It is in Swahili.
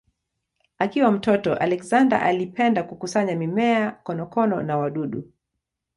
Akiwa mtoto Alexander alipenda kukusanya mimea, konokono na wadudu.